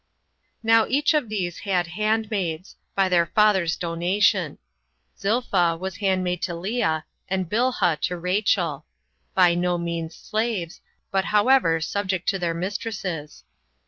8. Now each of these had handmaids, by their father's donation. Zilpha was handmaid to Lea, and Bilha to Rachel; by no means slaves, 35 but however subject to their mistresses.